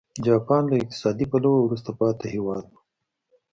جاپان له اقتصادي پلوه وروسته پاتې هېواد و.